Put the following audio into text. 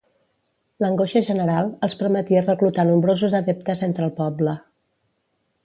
L'angoixa general els permetia reclutar nombrosos adeptes entre el poble.